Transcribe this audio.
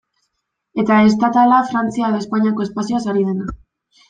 Eta estatala, Frantzia edo Espainiako espazioaz ari dena.